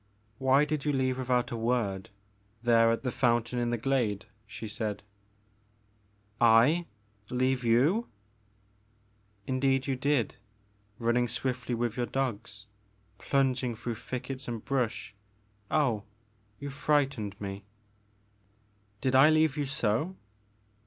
Why did you leave me without a word, there at the fountain in the glade ?'' she said. " I leave you !"'* Indeed you did, running swifUy with your dog, plunging through thickets and brush, — oh — ^you frightened me. 70 Tlie Maker of Moons. Did I leave you so